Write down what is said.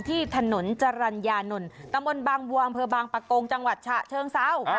ที่ถนนจรรยานนท์ตะมนต์บางบัวอำเภอบางปะโกงจังหวัดฉะเชิงเซา